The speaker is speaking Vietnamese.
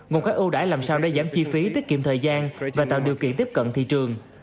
nguồn các ưu đãi làm sao để giảm chi phí tiết kiệm thời gian và tạo điều kiện tiếp cận thị trường